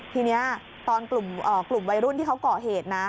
ทีนี้ตอนกลุ่มวัยรุ่นที่เขาก่อเหตุนะ